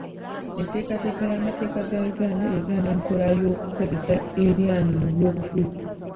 Enteekateeka y'amateeka ga Uganda egaana enkola y'okukozesa eryanyi mu by'obufuzi.